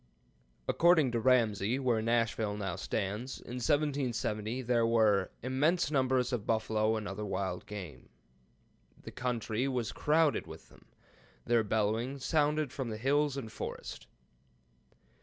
According to Ramsey, where Nashville now stands, in 1770 there were "immense numbers of buffalo and other wild game. The country was crowded with them. Their bellowings sounded from the hills and forest."